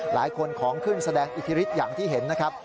หลายคนของขึ้นแสดงอิทธิฤทธิอย่างที่เห็นนะครับ